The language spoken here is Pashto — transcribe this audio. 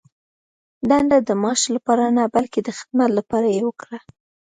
دنده د معاش لپاره نه، بلکې د خدمت لپاره یې وکړه.